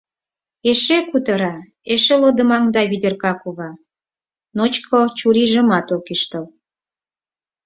Эше кутыра, эше лодымаҥда Ведерка кува, ночко чурийжымат ок ӱштыл.